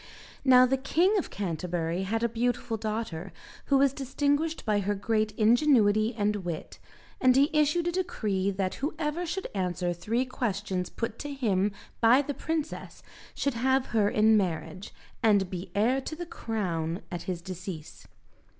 Now the King of Canterbury had a beautiful daughter, who was distinguished by her great ingenuity and wit, and he issued a decree that whoever should answer three questions put to him by the princess should have her in marriage, and be heir to the crown at his decease.